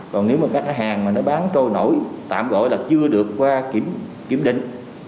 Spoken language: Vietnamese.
còn nếu mà các hàng mà nó bán trôi nổi tạm gọi là chưa được kiểm định